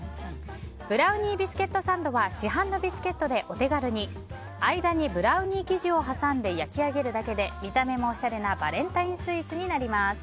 ブラウニービスケットサンドは市販のビスケットでお手軽に間にブラウニー生地を挟んで焼き上げるだけで見た目もおしゃれなバレンタインスイーツになります。